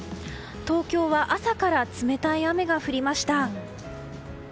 東京は朝から冷たい雨が降りました。